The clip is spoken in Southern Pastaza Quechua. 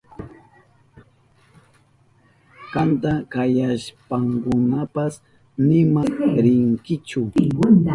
Kanta kayashpankunapas nima rinkichu.